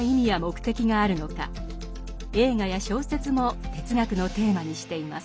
映画や小説も哲学のテーマにしています。